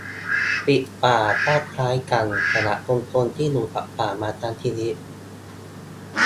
"ปิดป่า" ก็คล้ายกันสำหรับชุมชนที่อยู่กับป่ามาทั้งชีวิต